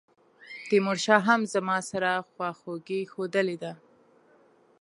تیمورشاه هم زما سره خواخوږي ښودلې ده.